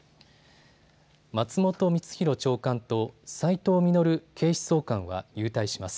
松本光弘長官と斉藤実警視総監は勇退します。